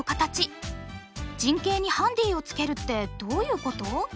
陣形にハンディをつけるってどういうこと？